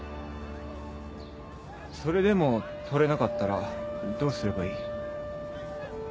それでも取れなかったらどうすればいい？